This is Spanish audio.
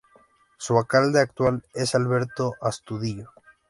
Su alcalde actual es Alberto Astudillo.